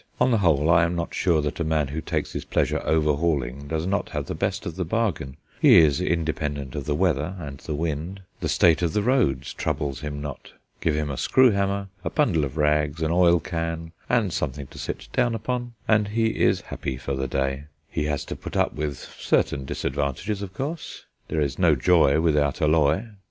On the whole, I am not sure that a man who takes his pleasure overhauling does not have the best of the bargain. He is independent of the weather and the wind; the state of the roads troubles him not. Give him a screw hammer, a bundle of rags, an oil can, and something to sit down upon, and he is happy for the day. He has to put up with certain disadvantages, of course; there is no joy without alloy.